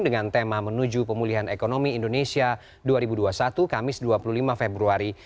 dengan tema menuju pemulihan ekonomi indonesia dua ribu dua puluh satu kamis dua puluh lima februari